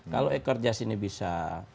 kalau ekor jas ini bisa